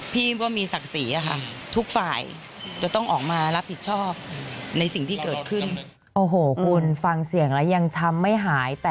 พี่ไม่เคยกินข้าวเลยพี่ว่ามีศักดิ์ศรีอ่ะค่ะ